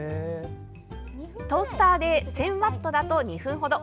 トースターで１０００ワットだと２分ほど。